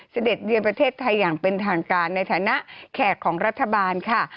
เสด็จเยือนประเทศไทยอย่างเป็นทางการในฐานะแขกของรัฐบาลค่ะ